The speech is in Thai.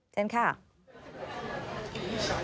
เชิญค่ะ